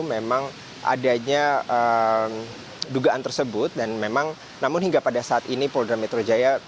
memang adanya dugaan tersebut dan memang namun hingga pada saat ini polda metro jaya